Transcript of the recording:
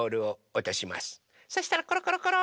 そしたらコロコロコロ。